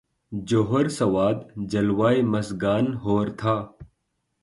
جوہر سواد جلوۂ مژگان حور تھا